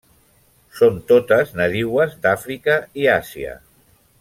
Són totes nadiues d'Àfrica i Àsia.